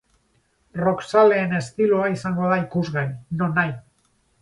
Rockzaleen estiloa izango da ikusgai, nonahi.